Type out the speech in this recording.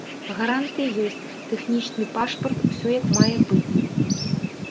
Гарантыі ёсць, тэхнічны пашпарт, усё як мае быць.